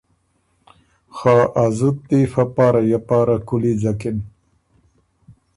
خه ا زُت دی فۀ پاره یه پاره کُولی ځکِن۔